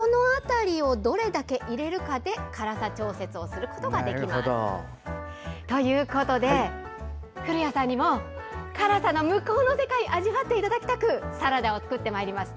ここが辛いのでお料理をする時はこの辺りをどれだけ入れるかで辛さ調節をすることができます。ということで、古谷さんにも辛さの向こうの世界を味わっていただきたくサラダを作ってみました。